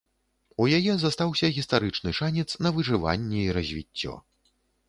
У яе застаўся гістарычны шанец на выжыванне і развіццё.